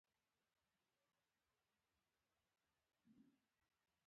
په یوه نسبتاً وړه کوټه کې ځای کړو.